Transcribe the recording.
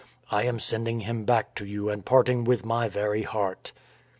I am sending him back to you and parting with my very heart.